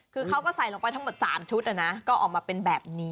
คือเขาก็ใส่ลงไปทั้งหมด๓ชุดก็ออกมาเป็นแบบนี้